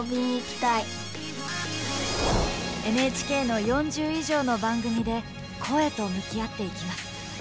ＮＨＫの４０以上の番組で、声と向き合っていきます。